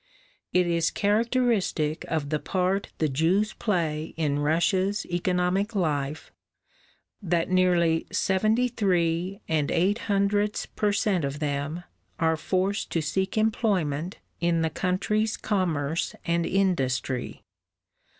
It is characteristic of the part the Jews play in Russia's economic life that nearly seventy three and eight hundredths per cent. of them are forced to seek employment in the country's commerce and industry.